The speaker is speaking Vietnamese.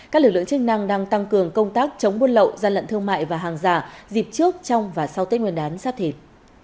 các lực lượng chức năng đang tăng cường công tác chống buôn lậu gian lận thương mại và hàng giả dịp trước trong và sau tết nguyên đán sát thị